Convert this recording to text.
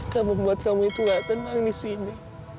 dan membuat kamu itu gak tenang di sini